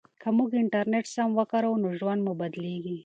که موږ انټرنیټ سم وکاروو نو ژوند مو بدلیږي.